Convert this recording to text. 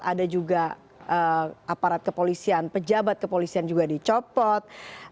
ada juga aparat kepolisian pejabat kepolisian juga dicopot